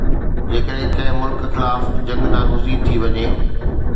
جيڪڏهن ڪنهن ملڪ خلاف جنگ ناگزير ٿي وڃي